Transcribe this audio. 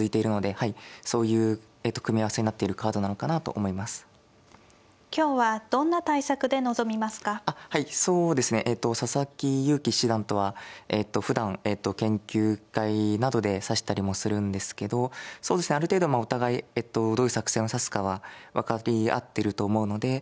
はいそうですね佐々木勇気七段とはふだん研究会などで指したりもするんですけどそうですねある程度お互いどういう作戦を指すかは分かり合ってると思うのでえとそうですね